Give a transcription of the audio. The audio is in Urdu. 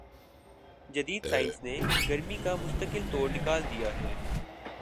جدید سائنس نے گرمی کا مستقل توڑ نکال دیا ہے